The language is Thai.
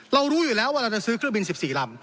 รู้อยู่แล้วว่าเราจะซื้อเครื่องบิน๑๔ลำ